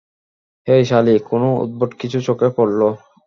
হেই, সালি, কোনো উদ্ভট কিছু চোখে পড়লো?